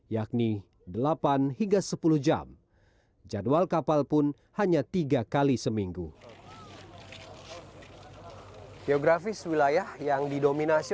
yakni delapan hingga sepuluh jam jadwal kapal pun hanya tiga kali seminggu geografis wilayah yang didominasi